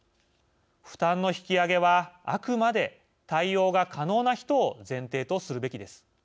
負担の引き上げはあくまで、対応が可能な人を前提とするべきです。